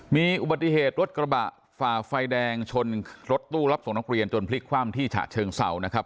มีอุบัติเหตุรถกระบะฝ่าไฟแดงชนรถตู้รับส่งนักเรียนจนพลิกคว่ำที่ฉะเชิงเศร้านะครับ